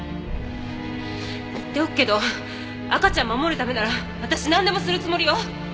言っておくけど赤ちゃん守るためなら私なんでもするつもりよ。